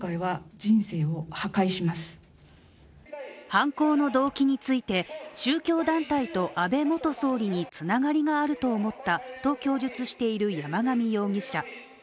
犯行の動機について宗教団体と安倍元総理につながりがあると思ったと供述している山上容疑者。